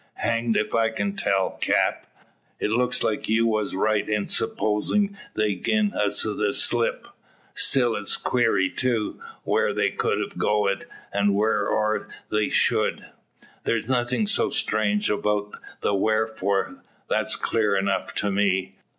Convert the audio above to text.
"Hanged if I can tell, cap. It looks like you was right in supposin' they're gin us the slip. Still it's queery too, whar they could a goed, and wharf ore they should." "There's nothing so strange about the wherefore; that's clear enough to me.